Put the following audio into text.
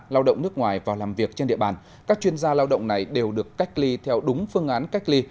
lao động nước ngoài vào làm việc trên địa bàn các chuyên gia lao động này đều được cách ly theo đúng phương án cách ly